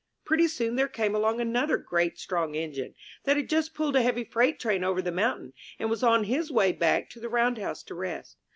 Pretty soon there came along another great strong Engine, that had just pulled a heavy freight train over the mountain, and was on his way back to the round house to rest.